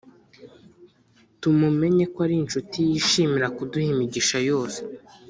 Tumumenye ko ari inshuti yishimira kuduha imigisha yose